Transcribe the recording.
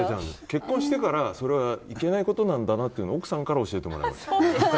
結婚してからそれはいけないことなんだなって奥さんから教えてもらいました。